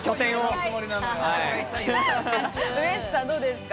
ウエンツさん、どうですか？